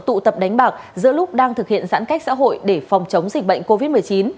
tụ tập đánh bạc giữa lúc đang thực hiện giãn cách xã hội để phòng chống dịch bệnh covid một mươi chín